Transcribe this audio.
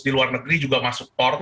di luar negeri juga masuk port